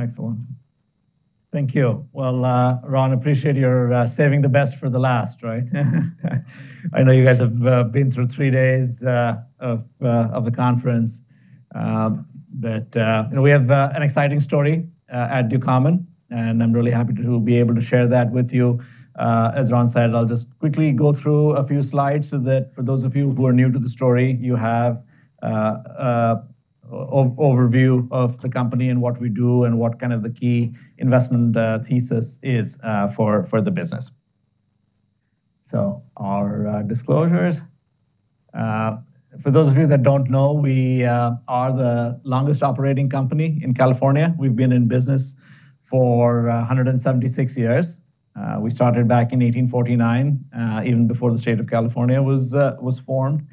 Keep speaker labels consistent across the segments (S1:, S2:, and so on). S1: Excellent. Thank you. Well, Ron, appreciate your saving the best for the last, right? I know you guys have been through three days of the conference. You know, we have an exciting story at Ducommun, and I'm really happy to be able to share that with you. As Ron said, I'll just quickly go through a few slides so that for those of you who are new to the story, you have an overview of the company and what we do and what kind of the key investment thesis is for the business. Our disclosures. For those of you that don't know, we are the longest operating company in California. We've been in business for 176 years. We started back in 1849, even before the state of California was formed.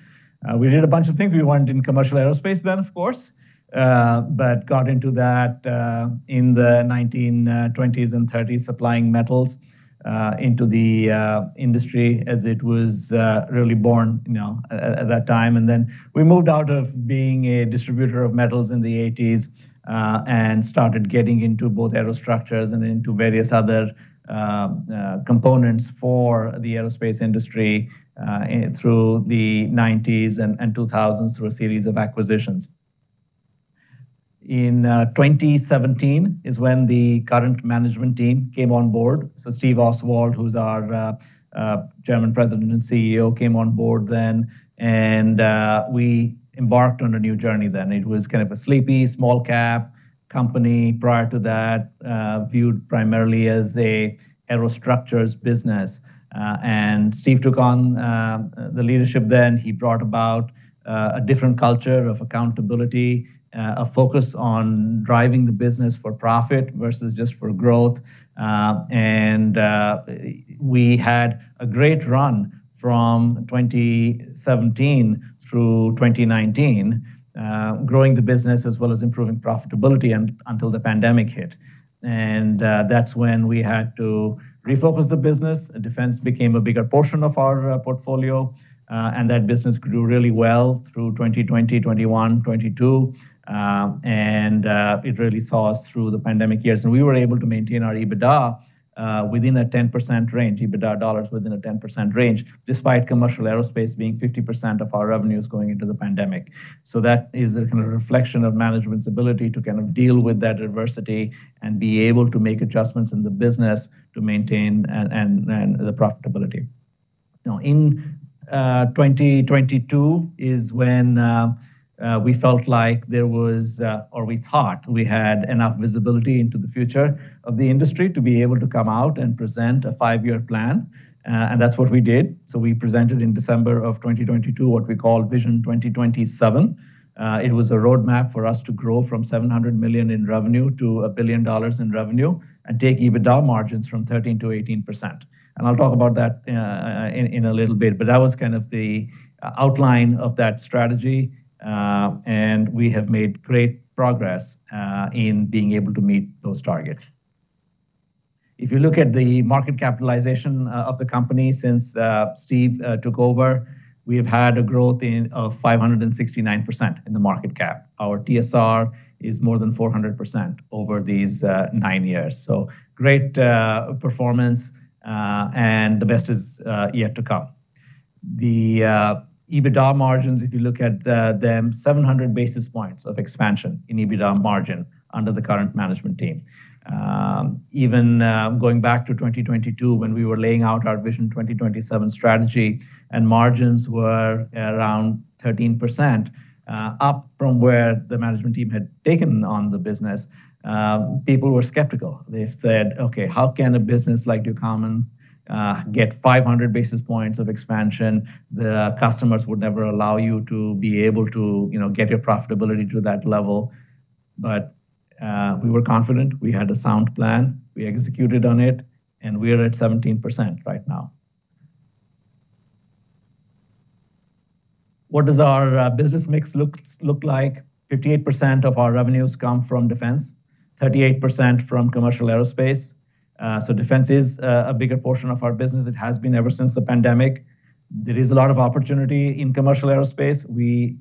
S1: We did a bunch of things. We weren't in commercial aerospace then, of course, but got into that in the 1920s and 1930s supplying metals into the industry as it was really born, you know, at that time. We moved out of being a distributor of metals in the 1980s and started getting into both aerostructures and into various other components for the aerospace industry through the 1990s and 2000s through a series of acquisitions. In 2017 is when the current management team came on board. Stephen Oswald, who's our Chairman, President, and CEO, came on board then, and we embarked on a new journey then. It was kind of a sleepy small cap company prior to that, viewed primarily as a aerostructures business. Steve took on the leadership then. He brought about a different culture of accountability, a focus on driving the business for profit versus just for growth. We had a great run from 2017 through 2019, growing the business as well as improving profitability until the pandemic hit. That's when we had to refocus the business. Defense became a bigger portion of our portfolio, that business grew really well through 2020, 2021, 2022. It really saw us through the pandemic years, and we were able to maintain our EBITDA within a 10% range, EBITDA dollars within a 10% range, despite commercial aerospace being 50% of our revenues going into the pandemic. That is a kind of reflection of management's ability to kind of deal with that adversity and be able to make adjustments in the business to maintain and the profitability. In 2022 is when we felt like there was, or we thought we had enough visibility into the future of the industry to be able to come out and present a five-year plan, that's what we did. We presented in December of 2022 what we call Vision 2027. It was a roadmap for us to grow from $700 million in revenue to $1 billion in revenue and take EBITDA margins from 13%-18%. I'll talk about that in a little bit, but that was kind of the outline of that strategy. We have made great progress in being able to meet those targets. If you look at the market capitalization of the company since Steve took over, we've had a growth of 569% in the market cap. Our TSR is more than 400% over these nine years. Great performance, and the best is yet to come. The EBITDA margins, if you look at them, 700 basis points of expansion in EBITDA margin under the current management team. Even going back to 2022 when we were laying out our Vision 2027 strategy and margins were around 13%, up from where the management team had taken on the business, people were skeptical. They said, "Okay, how can a business like Ducommun get 500 basis points of expansion?" The customers would never allow you to be able to, you know, get your profitability to that level. We were confident. We had a sound plan. We executed on it, and we are at 17% right now. What does our business mix look like? 58% of our revenues come from defense, 38% from commercial aerospace. Defense is a bigger portion of our business. It has been ever since the pandemic. There is a lot of opportunity in commercial aerospace. We,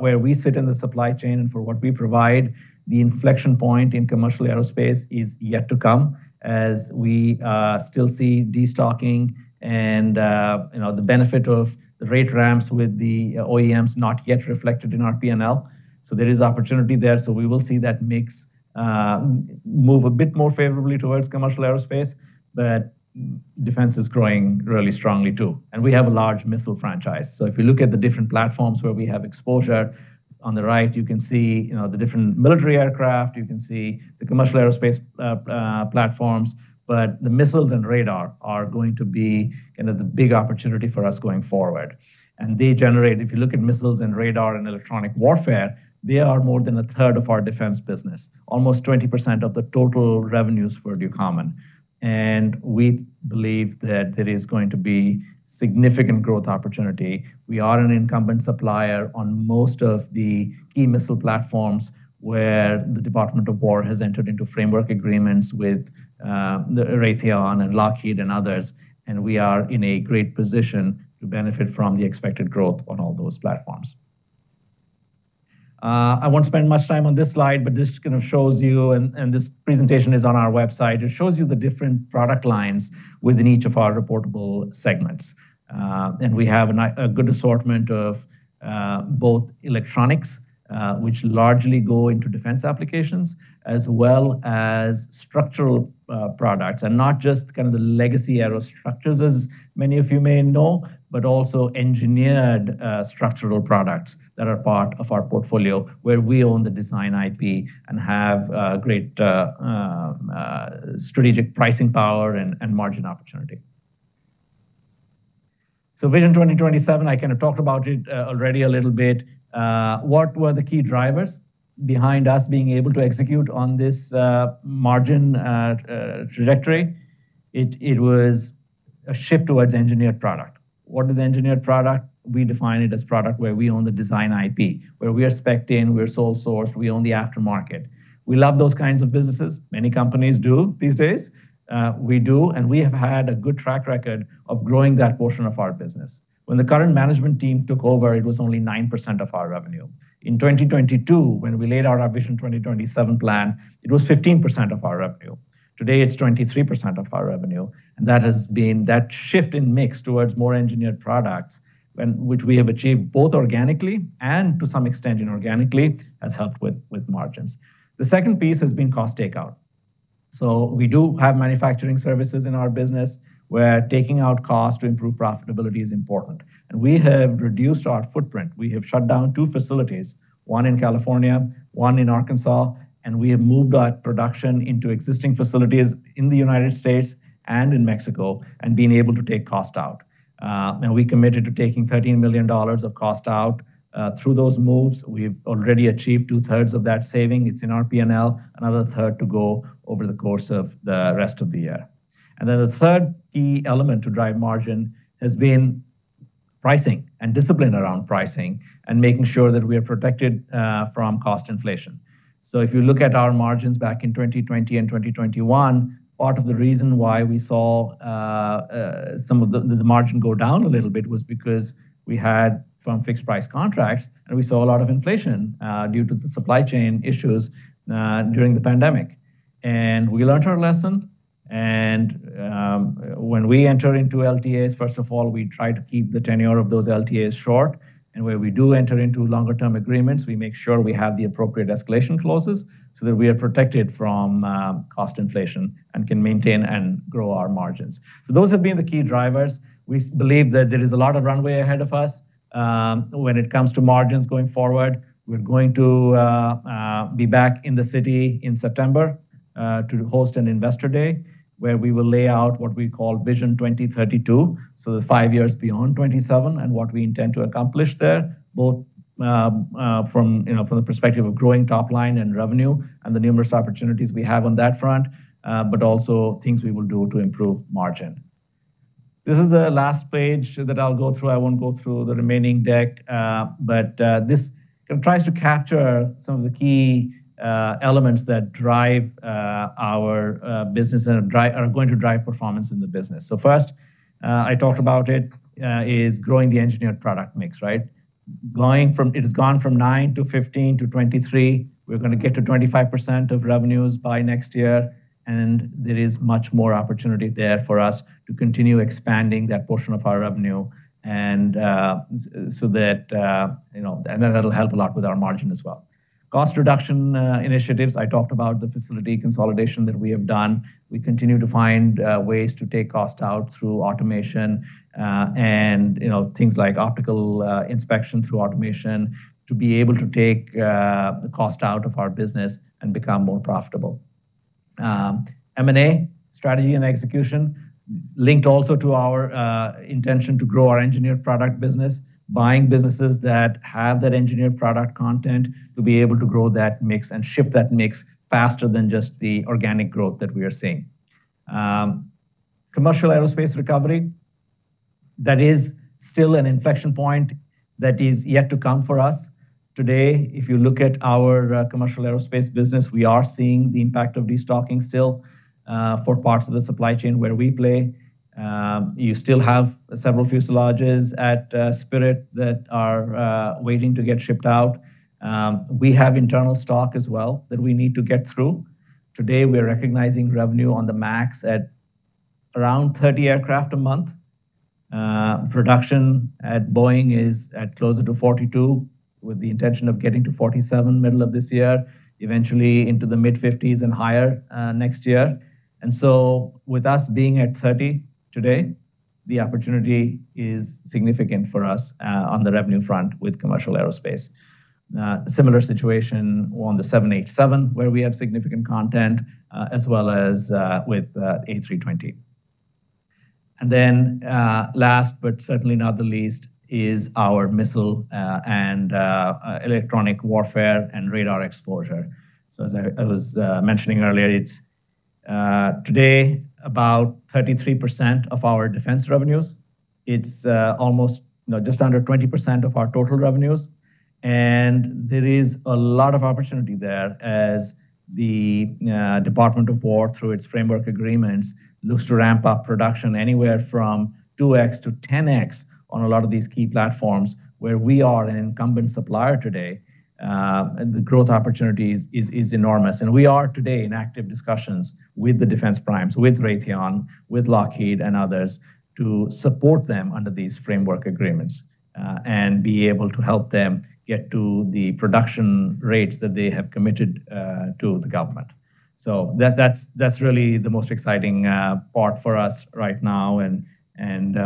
S1: where we sit in the supply chain and for what we provide, the inflection point in commercial aerospace is yet to come as we still see destocking and, you know, the benefit of rate ramps with the OEMs not yet reflected in our P&L. There is opportunity there. We will see that mix move a bit more favorably towards commercial aerospace. Defense is growing really strongly too, and we have a large missile franchise. If you look at the different platforms where we have exposure, on the right, you can see, you know, the different military aircraft, you can see the commercial aerospace platforms, but the missiles and radar are going to be kind of the big opportunity for us going forward. They generate, if you look at missiles and radar and electronic warfare, they are more than a third of our defense business, almost 20% of the total revenues for Ducommun. We believe that there is going to be significant growth opportunity. We are an incumbent supplier on most of the key missile platforms where the Department of Defense has entered into framework agreements with the Raytheon and Lockheed and others, and we are in a great position to benefit from the expected growth on all those platforms. I won't spend much time on this slide, but this kind of shows you, and this presentation is on our website. It shows you the different product lines within each of our reportable segments. And we have a good assortment of both electronics, which largely go into defense applications, as well as structural products. Not just kind of the legacy aerostructures, as many of you may know, but also engineered structural products that are part of our portfolio where we own the design IP and have great strategic pricing power and margin opportunity. Vision 2027, I kind of talked about it already a little bit. What were the key drivers behind us being able to execute on this margin trajectory? It was a shift towards engineered product. What is engineered product? We define it as product where we own the design IP, where we are spec'd in, we're sole sourced, we own the aftermarket. We love those kinds of businesses. Many companies do these days. We do, and we have had a good track record of growing that portion of our business. When the current management team took over, it was only 9% of our revenue. In 2022, when we laid out our Vision 2027 plan, it was 15% of our revenue. Today, it's 23% of our revenue, that has been that shift in mix towards more engineered products which we have achieved both organically and to some extent inorganically, has helped with margins. The second piece has been cost takeout. We do have manufacturing services in our business where taking out cost to improve profitability is important. We have reduced our footprint. We have shut down two facilities, one in California, one in Arkansas, and we have moved our production into existing facilities in the United States and in Mexico and been able to take cost out. We committed to taking $13 million of cost out through those moves. We've already achieved two-thirds of that saving. It's in our P&L, another third to go over the course of the rest of the year. The third key element to drive margin has been pricing and discipline around pricing and making sure that we are protected from cost inflation. If you look at our margins back in 2020 and 2021, part of the reason why we saw some of the margin go down a little bit was because we had firm fixed price contracts, and we saw a lot of inflation due to the supply chain issues during the pandemic. We learned our lesson, when we enter into LTAs, first of all, we try to keep the tenure of those LTAs short. Where we do enter into longer-term agreements, we make sure we have the appropriate escalation clauses so that we are protected from cost inflation and can maintain and grow our margins. Those have been the key drivers. We believe that there is a lot of runway ahead of us when it comes to margins going forward. We're going to be back in the city in September to host an Investor Day where we will lay out what we call Vision 2032, so the five years beyond 2027, and what we intend to accomplish there, both, you know, from the perspective of growing top line and revenue and the numerous opportunities we have on that front, but also things we will do to improve margin. This is the last page that I'll go through. I won't go through the remaining deck, but this tries to capture some of the key elements that drive our business and are going to drive performance in the business. First, I talked about it, is growing the engineered product mix, right? It has gone from nine to 15 to 23. We're going to get to 25% of revenues by next year, and there is much more opportunity there for us to continue expanding that portion of our revenue so that, you know, and that'll help a lot with our margin as well. Cost reduction initiatives, I talked about the facility consolidation that we have done. We continue to find ways to take cost out through automation, and, you know, things like optical inspection through automation to be able to take the cost out of our business and become more profitable. M&A strategy and execution linked also to our intention to grow our engineered product business, buying businesses that have that engineered product content to be able to grow that mix and shift that mix faster than just the organic growth that we are seeing. Commercial aerospace recovery, that is still an inflection point that is yet to come for us. Today, if you look at our commercial aerospace business, we are seeing the impact of destocking still for parts of the supply chain where we play. You still have several fuselages at Spirit that are waiting to get shipped out. We have internal stock as well that we need to get through. Today, we are recognizing revenue on the MAX at around 30 aircraft a month. Production at Boeing is at closer to 42 with the intention of getting to 47 middle of this year, eventually into the mid-50s and higher next year. With us being at 30 today, the opportunity is significant for us on the revenue front with commercial aerospace. Similar situation on the 787, where we have significant content, as well as with A320. Last but certainly not the least is our missile, and electronic warfare and radar exposure. As I was mentioning earlier, it is today about 33% of our defense revenues. It is just under 20% of our total revenues. There is a lot of opportunity there as the Department of Defense, through its framework agreements, looks to ramp up production anywhere from 2X to 10X on a lot of these key platforms where we are an incumbent supplier today. The growth opportunities is enormous. We are today in active discussions with the defense primes, with Raytheon, with Lockheed and others, to support them under these framework agreements and be able to help them get to the production rates that they have committed to the government. That's really the most exciting part for us right now and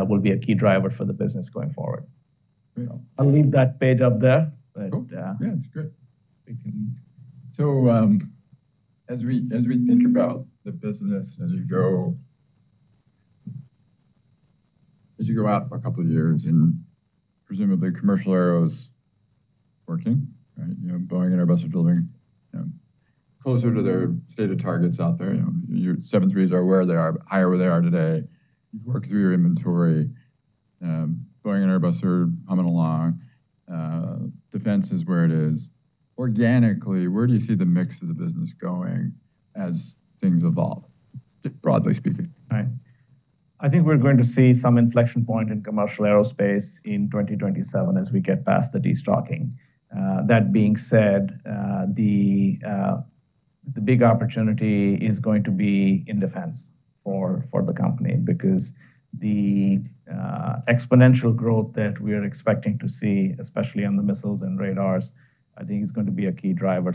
S1: will be a key driver for the business going forward.
S2: Great.
S1: I'll leave that page up there.
S2: Cool. Yeah, it's great. Thank you. As we think about the business as you go out a couple of years and presumably commercial aero's working, right? You know, Boeing and Airbus are building, you know, closer to their stated targets out there. You know, your 737s are where they are, higher where they are today. You've worked through your inventory. Boeing and Airbus are humming along. Defense is where it is. Organically, where do you see the mix of the business going as things evolve, broadly speaking?
S1: Right. I think we're going to see some inflection point in commercial aerospace in 2027 as we get past the de-stocking. That being said, the big opportunity is going to be in defense for the company because the exponential growth that we're expecting to see, especially on the missiles and radars, I think is going to be a key driver.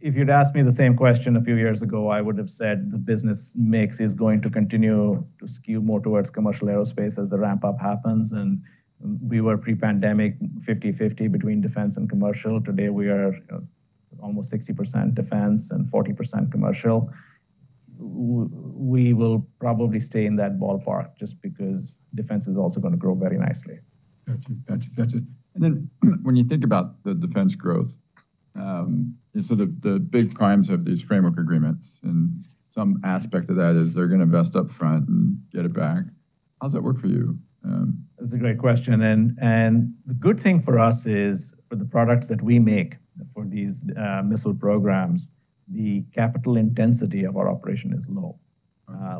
S1: If you'd asked me the same question a few years ago, I would have said the business mix is going to continue to skew more towards commercial aerospace as the ramp up happens, and we were pre-pandemic 50-50 between defense and commercial. Today, we are, you know, almost 60% defense and 40% commercial. We will probably stay in that ballpark just because defense is also gonna grow very nicely.
S2: Gotcha. Gotcha. Gotcha. When you think about the defense growth, the big primes have these framework agreements, and some aspect of that is they're gonna invest up front and get it back. How does that work for you?
S1: That's a great question. The good thing for us is for the products that we make for these missile programs, the capital intensity of our operation is low.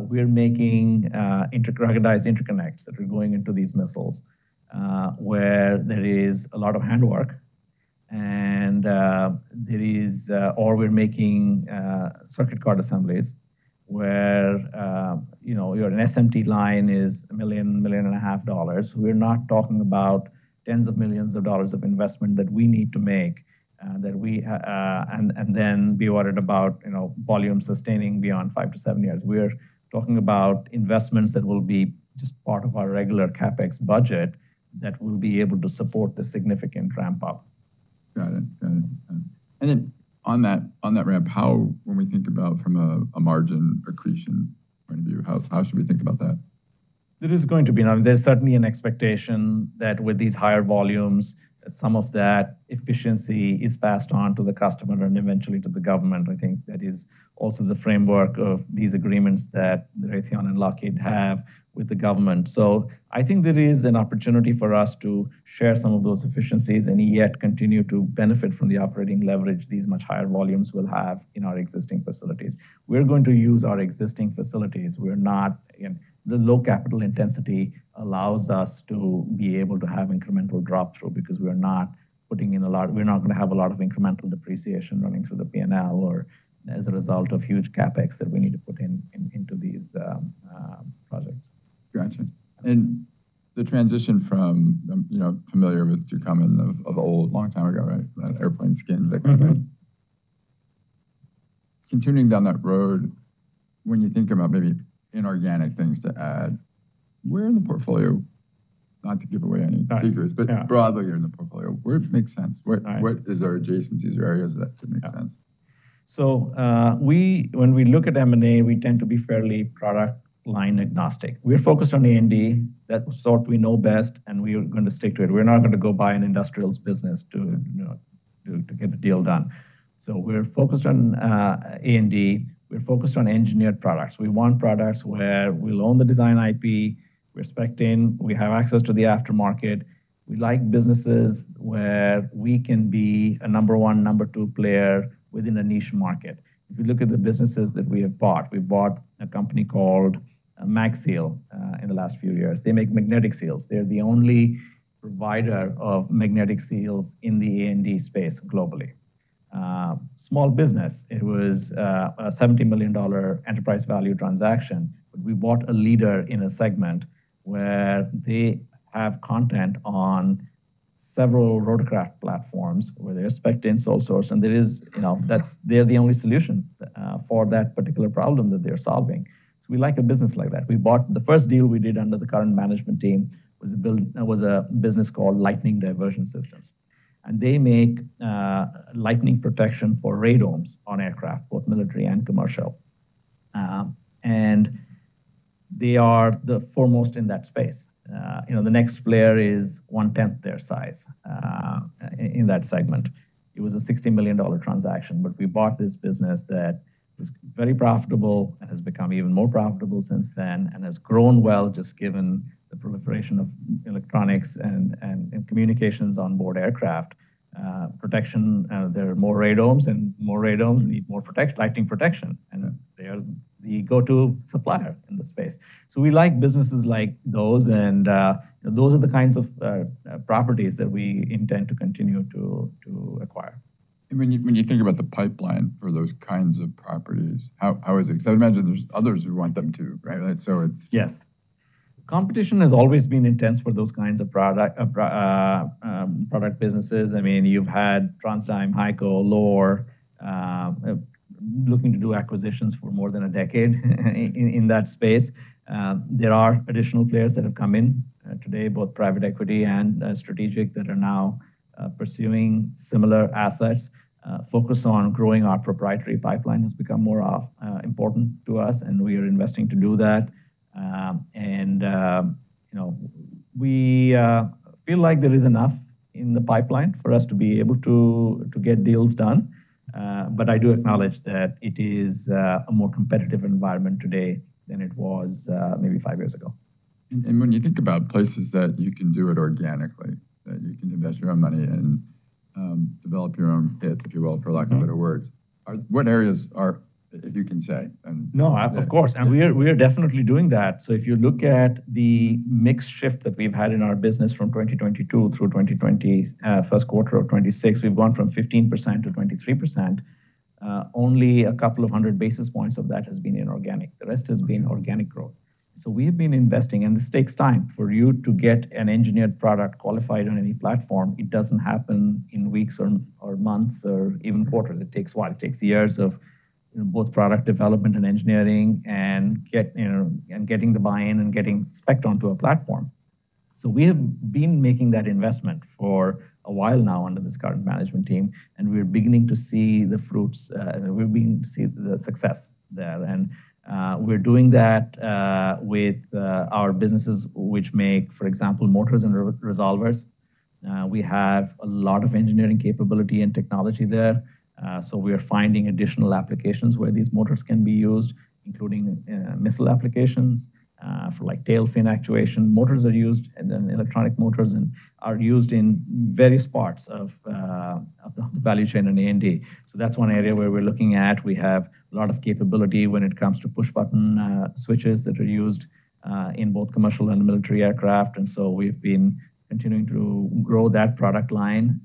S1: We're making recognized interconnects that are going into these missiles, where there is a lot of hand work or we're making circuit card assemblies where, you know, your SMT line is $1 million, $1.5 million. We're not talking about $10 million of investment that we need to make and then be worried about, you know, volume sustaining beyond five to seven years. We're talking about investments that will be just part of our regular CapEx budget that will be able to support the significant ramp up.
S2: Got it. On that ramp, when we think about from a margin accretion point of view, how should we think about that?
S1: There's certainly an expectation that with these higher volumes, some of that efficiency is passed on to the customer and eventually to the government. I think that is also the framework of these agreements that Raytheon and Lockheed have with the government. I think there is an opportunity for us to share some of those efficiencies and yet continue to benefit from the operating leverage these much higher volumes will have in our existing facilities. We're going to use our existing facilities. The low capital intensity allows us to be able to have incremental drop through because we're not gonna have a lot of incremental depreciation running through the P&L or as a result of huge CapEx that we need to put into these projects.
S2: Gotcha. The transition from, you know, familiar with your comment of old, long time ago, right? That airplane skin thick. Continuing down that road, when you think about maybe inorganic things to add, where in the portfolio, not to give away any figures.
S1: Got it. Yeah
S2: Broadly here in the portfolio, where it makes sense?
S1: Right.
S2: Is there adjacencies or areas that could make sense?
S1: Yeah. When we look at M&A, we tend to be fairly product line agnostic. We're focused on A&D. That sort we know best, and we are gonna stick to it. We're not gonna go buy an industrials business to, you know, to get the deal done. We're focused on A&D. We're focused on engineered products. We want products where we own the design IP, we're spec'ing, we have access to the aftermarket. We like businesses where we can be a number one, number two player within a niche market. If you look at the businesses that we have bought, we bought a company called MagSeal in the last few years. They make magnetic seals. They're the only provider of magnetic seals in the A&D space globally. Small business. It was a $70 million enterprise value transaction. We bought a leader in a segment where they have content on several rotorcraft platforms where they're spec'ing sole source, you know, they're the only solution for that particular problem that they're solving. We like a business like that. The first deal we did under the current management team was a business called Lightning Diversion Systems. They make lightning protection for radomes on aircraft, both military and commercial. They are the foremost in that space. You know, the next player is one-10th their size in that segment. It was a $60 million transaction, we bought this business that was very profitable and has become even more profitable since then and has grown well just given the proliferation of electronics and communications on board aircraft. Protection, there are more radomes, and more radomes need more lighting protection, and they are the go-to supplier in the space. We like businesses like those and, those are the kinds of, properties that we intend to continue to acquire.
S2: When you think about the pipeline for those kinds of properties, how is it? 'Cause I would imagine there's others who want them too, right? So it's-
S1: Yes. Competition has always been intense for those kinds of product businesses. I mean, you've had TransDigm, HEICO, Loar, looking to do acquisitions for more than a decade in that space. There are additional players that have come in today, both private equity and strategic, that are now pursuing similar assets. Focus on growing our proprietary pipeline has become more important to us, and we are investing to do that. And, you know, we feel like there is enough in the pipeline for us to be able to get deals done. But I do acknowledge that it is a more competitive environment today than it was maybe five years ago.
S2: When you think about places that you can do it organically, that you can invest your own money and develop your own hit, if you will, for lack of better words. What areas are, if you can say?
S1: Of course. We're definitely doing that. If you look at the mix shift that we've had in our business from 2022 through 2020, first quarter of 2026, we've gone from 15% to 23%. Only 200 basis points of that has been inorganic. The rest has been organic growth. We've been investing, and this takes time for you to get an engineered product qualified on any platform. It doesn't happen in weeks or months or even quarters. It takes a while. It takes years of both product development and engineering, you know, and getting the buy-in and getting specced onto a platform. We have been making that investment for a while now under this current management team, and we're beginning to see the fruits. We're beginning to see the success there. We're doing that with our businesses which make, for example, motors and resolvers. We have a lot of engineering capability and technology there, so we are finding additional applications where these motors can be used, including missile applications, for like tail fin actuation. Motors are used, and then electronic motors and are used in various parts of the value chain in A&D. That's one area where we're looking at. We have a lot of capability when it comes to push button switches that are used in both commercial and military aircraft. We've been continuing to grow that product line.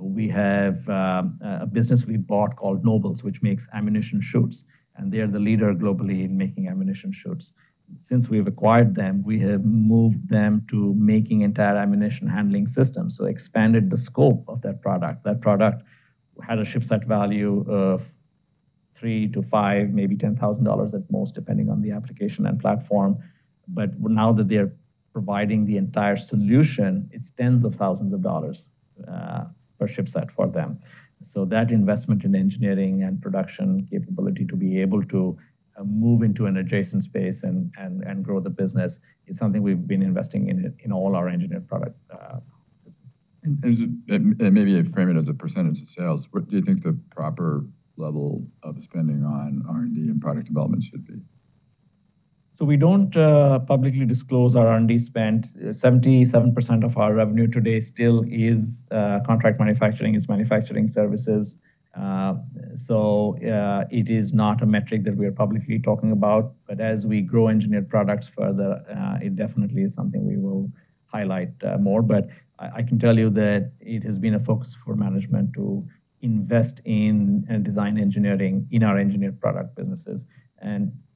S1: We have a business we bought called Nobles, which makes ammunition chutes, and they are the leader globally in making ammunition chutes. Since we've acquired them, we have moved them to making entire ammunition handling systems, so expanded the scope of that product. That product had a shipset value of $3,000 to $5,000, maybe $10,000 at most, depending on the application and platform. Now that they're providing the entire solution, it's tens of thousands of dollars per shipset for them. That investment in engineering and production capability to be able to move into an adjacent space and grow the business is something we've been investing in all our engineered product business.
S2: Maybe frame it as a % of sales. What do you think the proper level of spending on R&D and product development should be?
S1: We don't publicly disclose our R&D spend. 77% of our revenue today still is contract manufacturing. It's manufacturing services. It is not a metric that we are publicly talking about. As we grow engineered products further, it definitely is something we will highlight more. I can tell you that it has been a focus for management to invest in and design engineering in our engineered product businesses.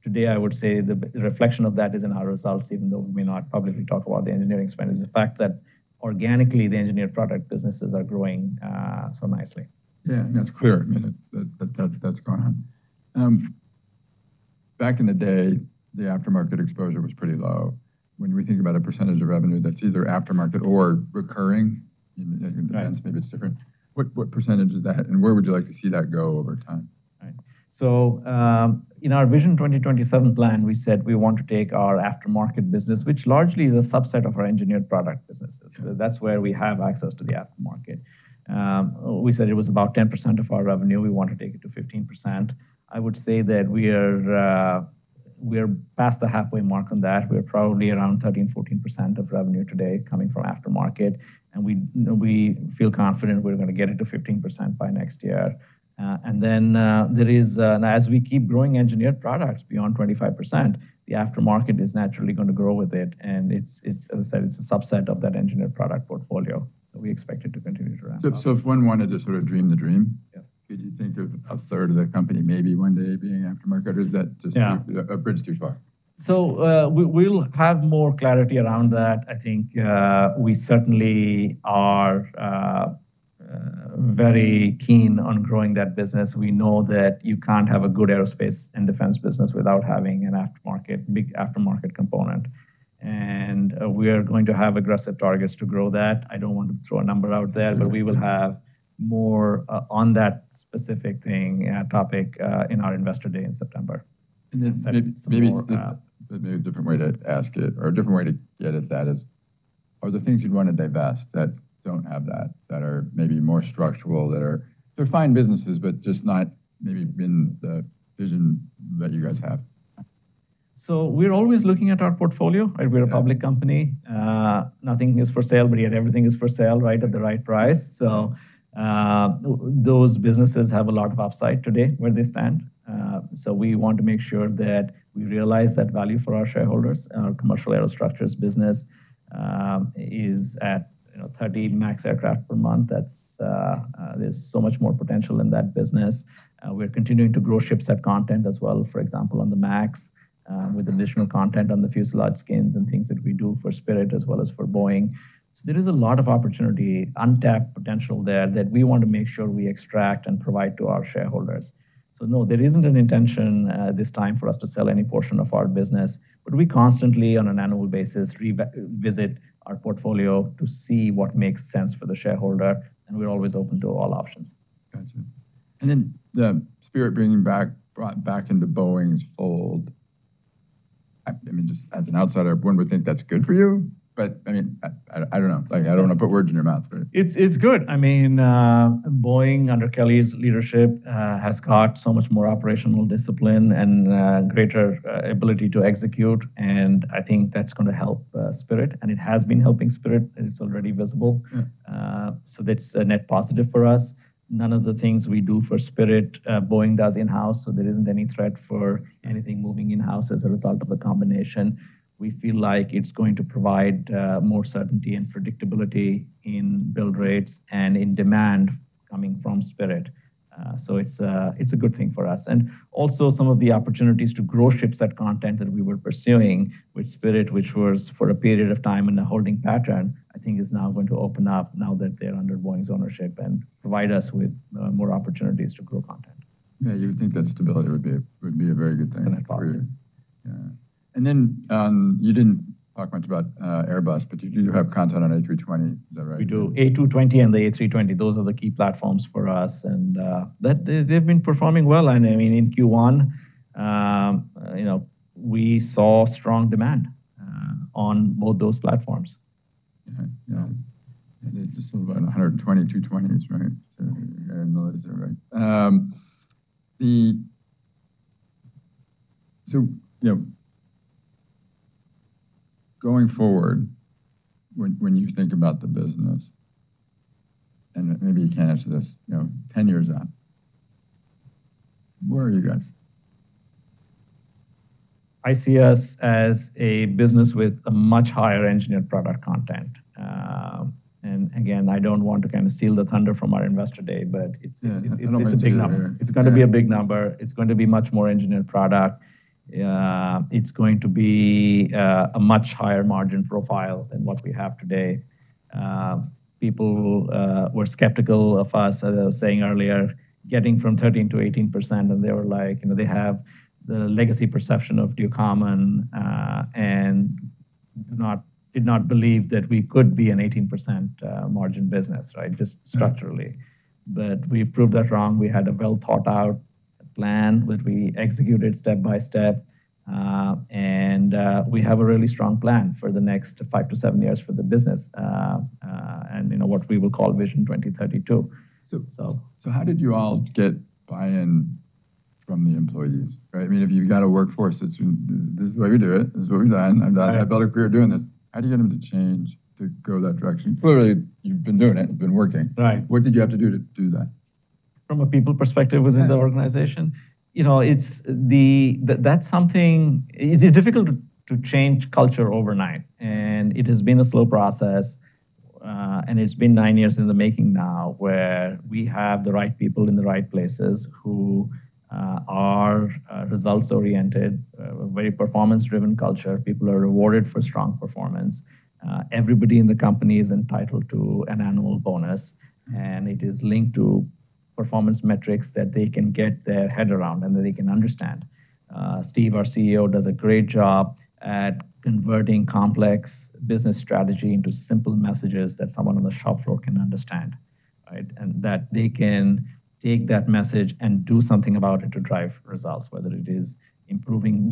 S1: Today, I would say the reflection of that is in our results, even though we may not publicly talk about the engineering spend, is the fact that organically, the engineered product businesses are growing so nicely.
S2: Yeah, that's clear. I mean, that's going on. Back in the day, the aftermarket exposure was pretty low. When we think about a percentage of revenue that's either aftermarket or recurring, in defense maybe it's different, what percentage is that, and where would you like to see that go over time?
S1: Right. In our Vision 2027 plan, we said we want to take our aftermarket business, which largely is a subset of our engineered product businesses. That's where we have access to the aftermarket. We said it was about 10% of our revenue. We want to take it to 15%. I would say that we are past the halfway mark on that. We're probably around 13%-14% of revenue today coming from aftermarket, and we feel confident we're gonna get it to 15% by next year. As we keep growing engineered products beyond 25%, the aftermarket is naturally gonna grow with it. It's, as I said, it's a subset of that engineered product portfolio. We expect it to continue to ramp up.
S2: If one wanted to sort of dream the dream.
S1: Yes
S2: could you think of a third of the company maybe one day being aftermarket, or is that just?
S1: Yeah
S2: A bridge too far?
S1: We'll have more clarity around that. I think, we certainly are, very keen on growing that business. We know that you can't have a good aerospace and defense business without having an aftermarket, big aftermarket component. We are going to have aggressive targets to grow that. I don't want to throw a number out there, but we will have more on that specific thing, topic, in our Investor Day in September.
S2: Maybe it's maybe a different way to ask it or a different way to get at that is, are the things you'd want to divest that don't have that are maybe more structural? They're fine businesses, but just not maybe been the vision that you guys have.
S1: We're always looking at our portfolio. Right? We're a public company. Nothing is for sale, but yet everything is for sale, right, at the right price. Those businesses have a lot of upside today where they stand. We want to make sure that we realize that value for our shareholders. Our commercial aerostructures business is at, you know, 13 MAX aircraft per month. That's. There's so much more potential in that business. We're continuing to grow ship set content as well, for example, on the MAX, with additional content on the fuselage skins and things that we do for Spirit as well as for Boeing. There is a lot of opportunity, untapped potential there that we want to make sure we extract and provide to our shareholders. No, there isn't an intention this time for us to sell any portion of our business, but we constantly, on an annual basis, revisit our portfolio to see what makes sense for the shareholder, and we're always open to all options.
S2: Gotcha. The Spirit brought back into Boeing's fold. I mean, just as an outsider, one would think that's good for you. I mean, I don't know. Like, I don't want to put words in your mouth.
S1: It's good. I mean, Boeing, under Kelly's leadership, has got so much more operational discipline and greater ability to execute, and I think that's gonna help Spirit, and it has been helping Spirit, and it's already visible. That's a net positive for us. None of the things we do for Spirit, Boeing does in-house, so there isn't any threat for anything moving in-house as a result of the combination. We feel like it's going to provide more certainty and predictability in build rates and in demand coming from Spirit. It's a good thing for us. Also some of the opportunities to grow ship set content that we were pursuing with Spirit, which was for a period of time in a holding pattern, I think is now going to open up now that they're under Boeing's ownership and provide us with more opportunities to grow content.
S2: Yeah, you would think that stability would be a very good thing.
S1: A net positive.
S2: For you. Yeah. You didn't talk much about Airbus, but you do have content on A320. Is that right?
S1: We do. A220 and the A320, those are the key platforms for us, and they've been performing well. I mean, in Q1, you know, we saw strong demand on both those platforms.
S2: Yeah. Yeah. They just sold about 120 A220s, right? I don't know. Is that right? You know, going forward, when you think about the business, and maybe you can't answer this, you know, 10 years out, where are you guys?
S1: I see us as a business with a much higher engineered product content. again, I don't want to kind of steal the thunder from our investor day, but it's a big number.
S2: Yeah. I know what you mean. Yeah.
S1: It's gonna be a big number. It's going to be much more engineered product. It's going to be a much higher margin profile than what we have today. People were skeptical of us, as I was saying earlier, getting from 13% to 18%, and they were like, you know, they have the legacy perception of Ducommun, and did not believe that we could be an 18% margin business, right, just structurally. We've proved that wrong. We had a well-thought-out plan that we executed step-by-step, and we have a really strong plan for the next five to seven years for the business, and you know, what we will call Vision 2032.
S2: How did you all get buy-in from the employees, right? I mean, if you've got a workforce that's, "This is the way we do it, this is what we've done. I've built a career doing this," how do you get them to change, to go that direction? Clearly, you've been doing it, you've been working.
S1: Right.
S2: What did you have to do to do that?
S1: From a people perspective within the organization? You know, that's something It is difficult to change culture overnight. It has been a slow process. It's been nine years in the making now, where we have the right people in the right places who are results-oriented, very performance-driven culture. People are rewarded for strong performance. Everybody in the company is entitled to an annual bonus. It is linked to performance metrics that they can get their head around and that they can understand. Stephen, our CEO, does a great job at converting complex business strategy into simple messages that someone on the shop floor can understand, right? That they can take that message and do something about it to drive results, whether it is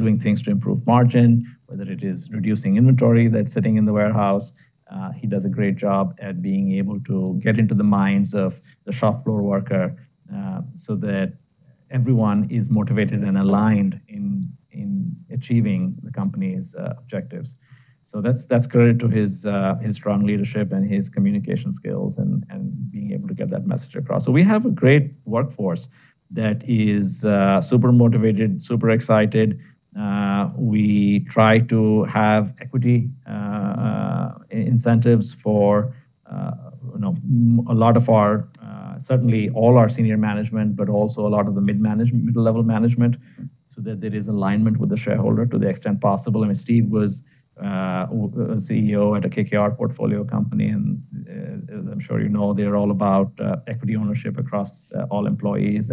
S1: doing things to improve margin, whether it is reducing inventory that's sitting in the warehouse. He does a great job at being able to get into the minds of the shop floor worker, so that everyone is motivated and aligned in achieving Ducommun's objectives. That's credit to his strong leadership and his communication skills and being able to get that message across. We have a great workforce that is super motivated, super excited. We try to have equity incentives for, you know, a lot of our, certainly all our senior management, but also a lot of the middle level management, so that there is alignment with the shareholder to the extent possible. I mean, Steve was a CEO at a KKR portfolio company, and, as I'm sure you know, they're all about equity ownership across all employees.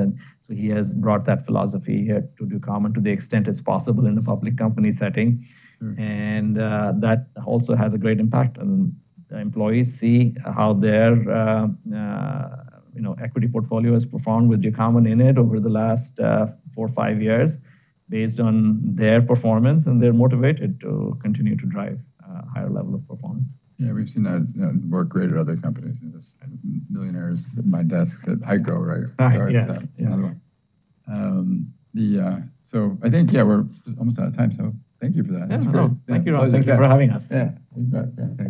S1: He has brought that philosophy here to Ducommun to the extent it's possible in a public company setting. That also has a great impact on the employees see how their, you know, equity portfolio has performed with Ducommun in it over the last, four or five years based on their performance, and they're motivated to continue to drive a higher level of performance.
S2: Yeah, we've seen that work great at other companies. There's millionaires at my desk at HEICO, right?
S1: Right. Yes.
S2: It's, you know. I think, yeah, we're almost out of time, so thank you for that.
S1: Yeah, no.
S2: That was great.
S1: Thank you for having us.
S2: Yeah. Yeah. Thanks.